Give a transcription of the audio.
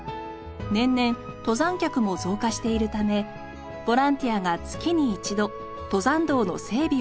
年々登山客も増加しているためボランティアが月に一度登山道の整備を行っています。